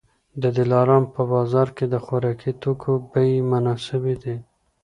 د دلارام په بازار کي د خوراکي توکو بیې مناسبې دي